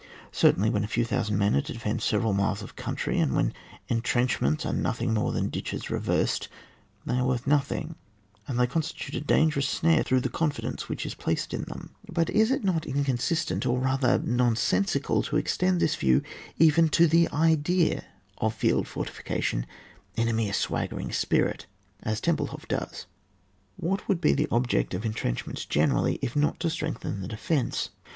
Certainly, when a few thousand men are to defend several miles of country, and when entrenchments are nothing more than ditches reversed, they are worth nothing, and they constitute a dangerous snare through the confidence which is placed in them. But is it not inconsis tent, or rather nonsensical, to extend this view even to the idea of field fortification^ in a mere swaggering spirit (as Temple hof does) ? What would be the object of entrenchments generally, if not to strengthen the defence?